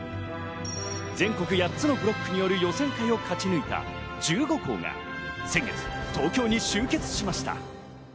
全国８つのブロックによる予選会を勝ち抜いた１５校が先月、東京に集結しました。